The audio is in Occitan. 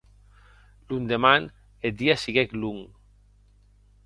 Londeman, eth dia siguec long.